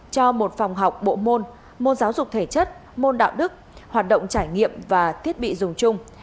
cho một phòng học bộ môn môn giáo dục thể chất môn đạo đức hoạt động trải nghiệm và thiết bị dùng chung